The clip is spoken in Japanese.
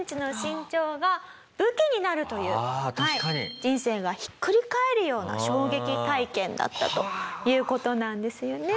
人生がひっくり返るような衝撃体験だったという事なんですよね。